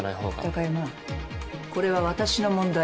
貴山これは私の問題。